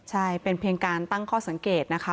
ใช่เป็นเพียงการตั้งข้อสังเกตนะคะ